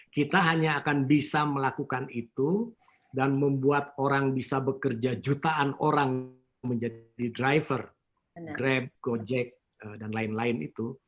kita hanya akan bisa melakukan itu dan membuat orang bisa bekerja jutaan orang menjadi driver grab gojek dan lain lain itu